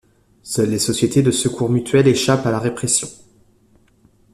Seules les sociétés de secours mutuels échappent à la répression.